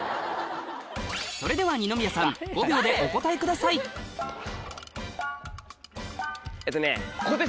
それでは二宮さん５秒でお答えくださいえっとね。